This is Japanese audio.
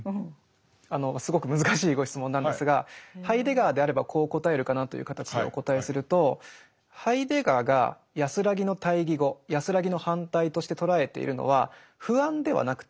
あのすごく難しいご質問なんですがハイデガーであればこう答えるかなという形でお答えするとハイデガーが安らぎの対義語うわすごいですね。